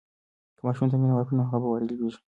که ماشوم ته مینه ورکړو نو هغه باوري لویېږي.